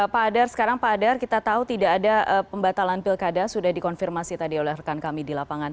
pak adar sekarang pak adar kita tahu tidak ada pembatalan pilkada sudah dikonfirmasi tadi oleh rekan kami di lapangan